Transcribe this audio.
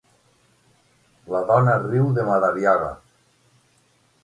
La dona riu de Madariaga.